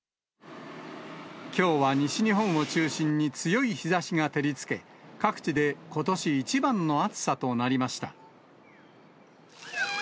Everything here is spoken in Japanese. きょうは西日本を中心に強い日ざしが照りつけ、各地でことし一番の暑さとなりました。